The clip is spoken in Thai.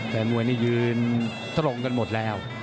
แฟนมวยนี่ยืนตรงกันหมดแล้ว